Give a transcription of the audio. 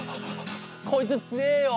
こいつつえよ。